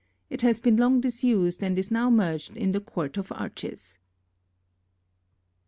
It has been long disused and is now merged in the court of arches.